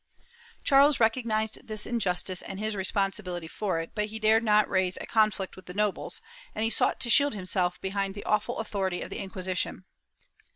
Charles recognized this injustice and his responsibility for it, but he dared not raise a conflict with the nobles, and he sought to shield himself behind the awful authority of the Inquisition.